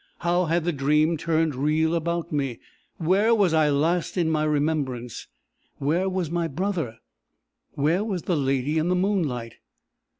How had the dream turned real about me? Where was I last in my remembrance? Where was my brother? Where was the lady in the moonlight?